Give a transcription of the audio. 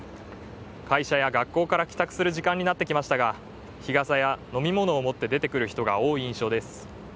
会社や学校から帰宅する時間になってきましたが日傘や飲み物を持って出てくる人が多い印象です。